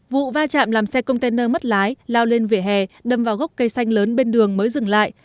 vụ va chạm làm xe container mất lái lao lên vỉa hè đâm vào gốc cây xanh lớn bên đường mới dừng lại